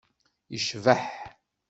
yecbeḥ.